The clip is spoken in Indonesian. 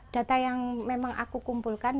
data yang memang aku kumpulkan